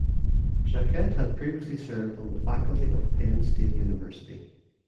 Jacquette had previously served on the faculty of Penn State University.